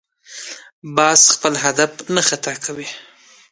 باز خپل هدف نه خطا کوي